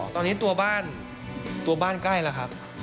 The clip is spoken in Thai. ตอนนี้ตัวบ้านตัวบ้านใกล้แล้วครับ